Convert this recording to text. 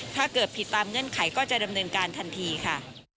ถ้าเกิดผิดตามเงื่อนไขก็จะดำเนินการทันทีค่ะ